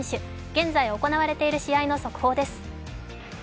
現在行われている試合の速報です。